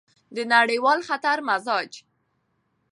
د نړیوال خطر مزاج: